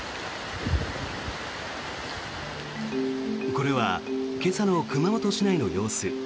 これは今朝の熊本市内の様子。